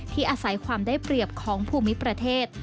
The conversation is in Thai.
อาศัยความได้เปรียบของภูมิประเทศ